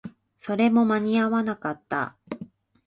それも間に合わなかった